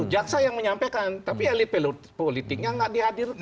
jaksa yang menyampaikan tapi elit politiknya enggak dihadirkan